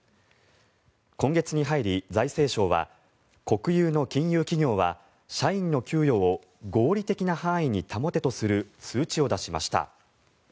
今月に入り、財政省は国有の金融企業は社員の給与を合理的な範囲に保てとする通知を出しました。